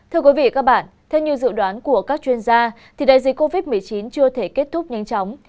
theo nhiều dự đoán của các chuyên gia đại dịch covid một mươi chín chưa thể kết thúc nhanh chóng